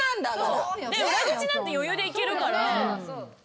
裏口なんて余裕でいけるから。